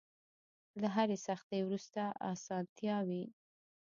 له هرې سختۍ وروسته ارسانتيا وي.